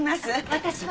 私は。